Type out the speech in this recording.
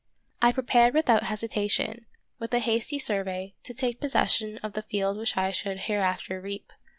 I prepared without hesitation, with a hasty survey, to take possession of the field which I should hereafter reap.